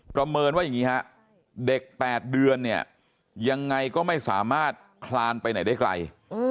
ประเมินว่าอย่างนี้ฮะเด็ก๘เดือนเนี่ยยังไงก็ไม่สามารถคลานไปไหนได้ไกล